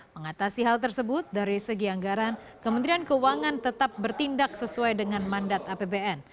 mengatasi hal tersebut dari segi anggaran kementerian keuangan tetap bertindak sesuai dengan mandat apbn